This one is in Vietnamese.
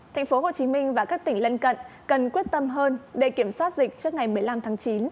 tp hcm và các tỉnh lân cận cần quyết tâm hơn để kiểm soát dịch trước ngày một mươi năm tháng chín